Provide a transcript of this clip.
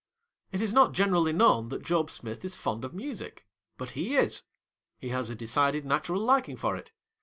It is not generally known that Job Smith is fond of music. But, he is ; he has a de cided natural liking for it.